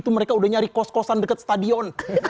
tuh mereka udah nyari kos kosan dekat stadion